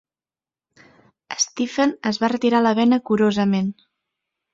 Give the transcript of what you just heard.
Stephen es va retirar la bena curosament.